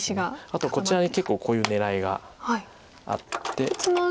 あとこちらに結構こういう狙いがあって。